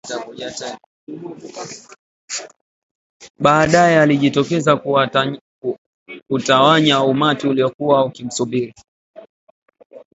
baadaye alijitokeza kutawanya umati uliokuwa ukimsubiri